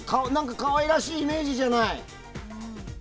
可愛らしいイメージじゃない。